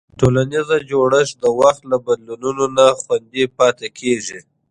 ټولنیز جوړښت د وخت له بدلونونو نه خوندي پاتې کېږي.